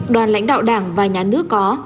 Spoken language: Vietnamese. đoàn lãnh đạo đảng và nhà nước có